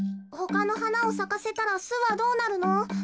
ほかのはなをさかせたらすはどうなるの？